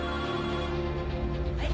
はい。